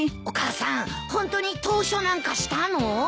お母さんホントに投書なんかしたの？